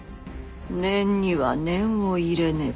念には念を入れねばのう。